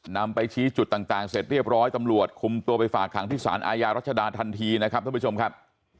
นำไปชี้จุดต่างเสร็จเรียบร้อยตำรวจคุมตัวไปฝากขังที่สารอาญารัชดาทันทีนะครับท่านผู้ชมครับ